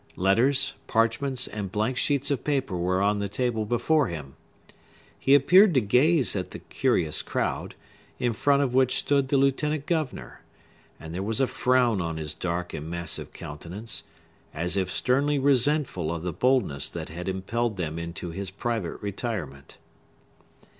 Letters, parchments, and blank sheets of paper were on the table before him. He appeared to gaze at the curious crowd, in front of which stood the lieutenant governor; and there was a frown on his dark and massive countenance, as if sternly resentful of the boldness that had impelled them into his private retirement.